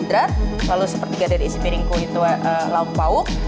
jadi harus ada karbohidrat lalu sepertiga dari isi piringku itu lauk pauk